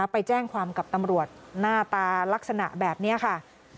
ไปแจ้งความกับตำรวจหน้าตาลักษณะแบบนี้ค่ะ